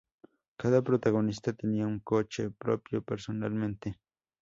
Cada protagonista tenía un coche propio personalmente.